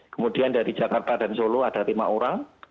kemudian dari jakarta dan solo ada lima orang